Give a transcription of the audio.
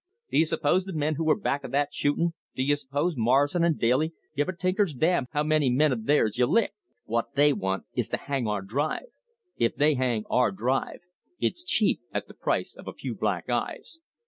Do you suppose the men who were back of that shooting, do you suppose Morrison and Daly give a tinker's dam how many men of theirs you lick? What they want is to hang our drive. If they hang our drive, it's cheap at the price of a few black eyes."